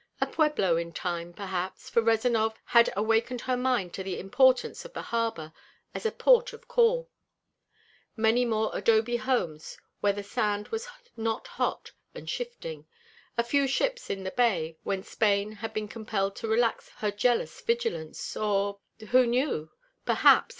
A pueblo in time, perhaps, for Rezanov had awakened her mind to the importance of the harbor as a port of call. Many more adobe homes where the sand was not hot and shifting, a few ships in the bay when Spain had been compelled to relax her jealous vigilance or who knew? perhaps!